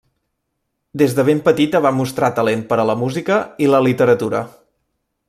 Des de ben petita va mostrar talent per a la música i la literatura.